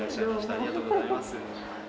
ありがとうございます。